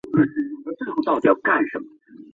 二丁目在洗足池站东侧。